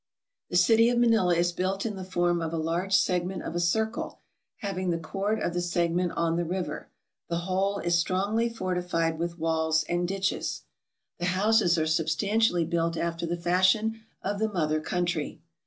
The city of Manila is built in the form of a large segment of a circle, having the chord of the segment on the river ; the whole is strongly fortified with walls and ditches. The MISCELLANEOUS 395 houses are substantially built after the fashion of the mother country.